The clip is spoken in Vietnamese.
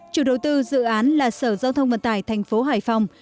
chủ đầu tư dự án là sở giao thông vận tải tp hải phòng